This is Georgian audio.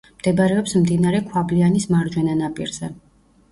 მდებარეობს მდინარე ქვაბლიანის მარჯვენა ნაპირზე.